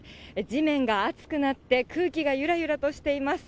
地面が熱くなって、空気がゆらゆらとしています。